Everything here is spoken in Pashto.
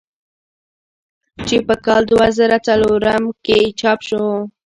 چې پۀ کال دوه زره څلورم کښې چاپ شو ۔